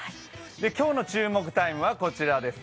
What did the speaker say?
今日の注目タイムはこちらです。